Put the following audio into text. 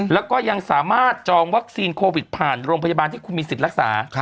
แล้วก็ยังสามารถจองวัคซีนโควิดผ่านโรงพยาบาลที่คุณมีสิทธิ์รักษา